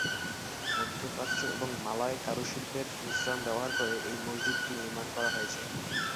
মধ্যপ্রাচ্য এবং মালয় কারুশিল্পের মিশ্রণ ব্যবহার করে এই মসজিদটি নির্মাণ করা হয়েছে।